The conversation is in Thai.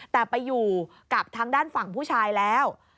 แต่ไปอยู่กับทางด้านฝั่งผู้ชายแล้ว